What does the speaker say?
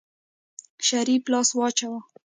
شريف لاس واچوه.